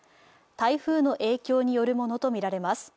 台風の影響によるものとみられます。